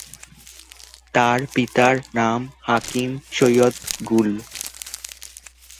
তার পিতার নাম হাকিম সৈয়দ গুল।